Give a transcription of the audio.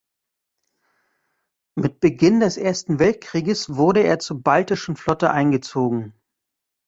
Mit Beginn des Ersten Weltkrieges wurde er zur Baltischen Flotte eingezogen.